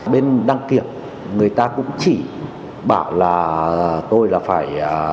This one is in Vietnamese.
bên đăng kiểm người ta cũng chỉ bảo là tôi là phải